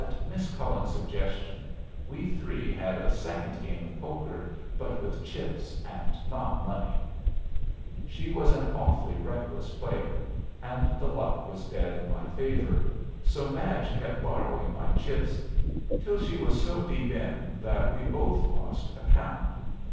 At Miss Cullen's suggestion we three had a second game of poker, but with chips and not money. She was an awfully reckless player, and the luck was dead in my favor, so Madge kept borrowing my chips, till she was so deep in that we both lost account.